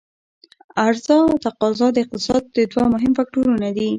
عرضا او تقاضا د اقتصاد دوه مهم فکتورونه دي.